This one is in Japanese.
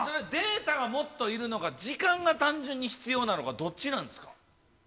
データがもっといるのか、時間が単純に必要なのか、どっちなんですか？